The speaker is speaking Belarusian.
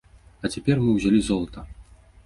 А цяпер мы ўзялі золата!